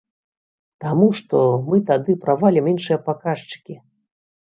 Таму што мы тады правалім іншыя паказчыкі!!!